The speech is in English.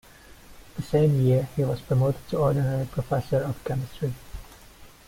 The same year, he was promoted to Ordinary Professor of Chemistry.